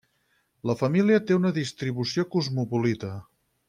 La família té una distribució cosmopolita.